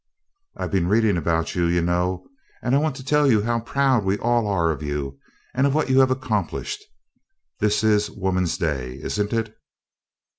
"I've been reading about you, you know, and I want to tell you how proud we all are of you and of what you have accomplished. This is Woman's Day, isn't it?"